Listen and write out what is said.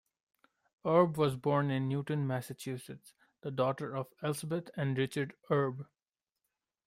Erbe was born in Newton, Massachusetts, the daughter of Elsbeth and Richard Erbe.